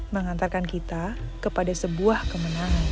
mengantarkan kita kepada sebuah kemenangan